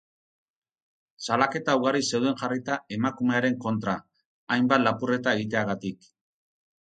Salaketa ugari zeuden jarrita emakumearen kontra, hainbat lapurreta egiteagatik.